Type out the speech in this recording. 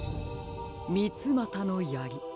みつまたのやり。